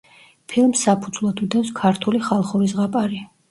ფილმს საფუძვლად უდევს ქართული ხალხური ზღაპარი.